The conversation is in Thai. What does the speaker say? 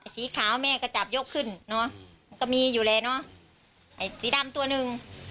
สีขาวแม่ก็จับยกขึ้นเนอะมันก็มีอยู่แล้วเนอะไอ้สีดำตัวหนึ่ง